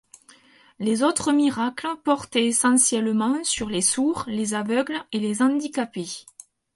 Les autres miracles portaient essentiellement sur les sourds, les aveugles et les handicapés.